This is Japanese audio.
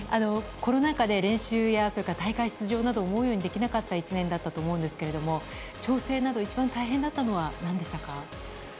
コロナ禍で練習や大会出場など思うようにできなかった１年だったと思うんですが調整など一番大変だったのは何でしたか？